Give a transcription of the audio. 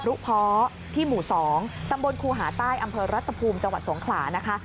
รุเพาะที่หมู่๒ตำบลครูหาใต้อำเภอรัฐภูมิจังหวัดสงขลานะคะ